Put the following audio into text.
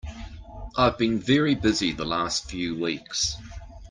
I've been very busy the last few weeks.